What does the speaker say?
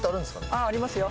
ありますよ。